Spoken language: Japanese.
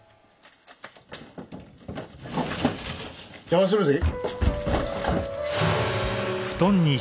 邪魔するぜ。